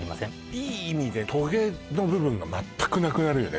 いい意味でトゲの部分が全くなくなるよね